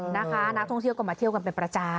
นักท่องเที่ยวก็มาเที่ยวกันเป็นประจำ